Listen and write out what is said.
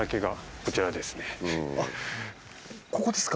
ここですか？